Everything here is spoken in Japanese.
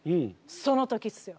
その時っすよ。